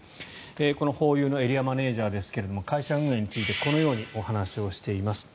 このホーユーのエリアマネジャーですが会社運営についてこのようにお話をしています。